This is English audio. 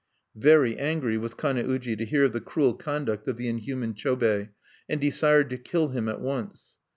Very angry was Kane uji to hear of the cruel conduct of the inhuman Chobei, and desired to kill him at once.